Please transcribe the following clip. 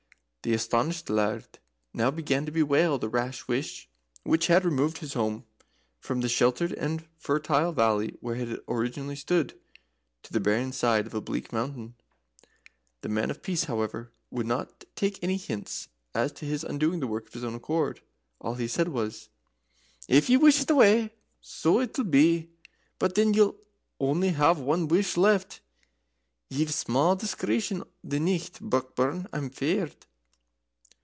The astonished Laird now began to bewail the rash wish which had removed his home from the sheltered and fertile valley where it originally stood to the barren side of a bleak mountain. The Man of Peace, however, would not take any hints as to undoing his work of his own accord. All he said was: "If ye wush it away, so it'll be. But then ye'll only have one wush left. Ye've small discretion the nicht, Brockburn, I'm feared."